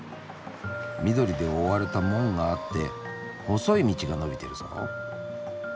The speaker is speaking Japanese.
緑で覆われた門があって細い道が延びてるぞ。